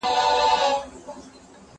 زه اجازه لرم چي واښه راوړم